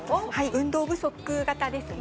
運動不足型ですね